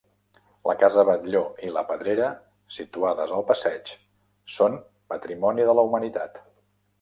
La Casa Batlló i la Pedrera, situades al passeig, són Patrimoni de la Humanitat.